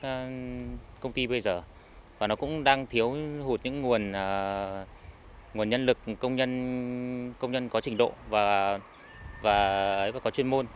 các công ty bây giờ và nó cũng đang thiếu hụt những nguồn nhân lực công nhân công nhân có trình độ và có chuyên môn